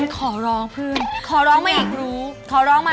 ขอร้องขอร้องมาเองอยากรู้ขอร้องมา